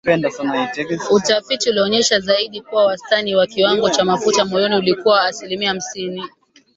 Utafiti ulionyesha zaidi kuwa wastani wa kiwango cha mafuta moyoni ulikuwa asilimia hamsini